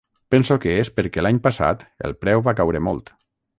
Penso que és perquè l’any passat el preu va caure molt.